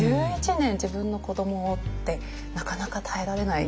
１１年自分の子どもをってなかなか耐えられない。